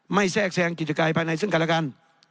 ไม่แทรกแทรงกิจกรายภายในซึ่งการกัน